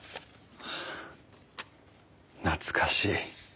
懐かしい。